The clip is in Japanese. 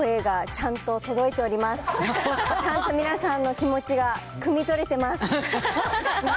ちゃんと皆さんの気持ちがくみ取れてます。